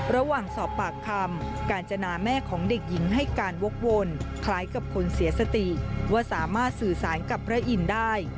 ระหว่างสอบปากคำกาญจนาแม่ของเด็กหญิงให้การวกวนคล้ายกับคนเสียสติว่าสามารถสื่อสารกับพระอินทร์ได้